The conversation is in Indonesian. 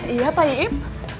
iya pak ip